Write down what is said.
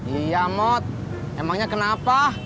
iya mot emangnya kenapa